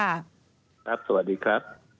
ครับสวัสดีครับ